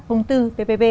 công tư ppp